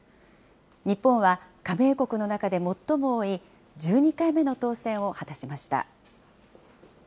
日本は加盟国の中で最も多い１２回目の当選を果たしました。